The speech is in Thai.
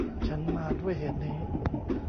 ฉันมาด้วยเหตุนี้